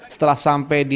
setelah sampai ditangkap